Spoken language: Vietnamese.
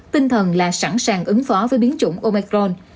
tinh thần là sẵn sàng ứng phó với biến chủng omicron